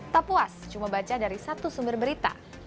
tak puas cuma baca dari satu sumber berita